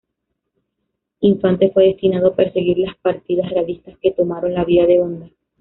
Infante fue destinado a perseguir las partidas realistas que tomaron la vía de Honda.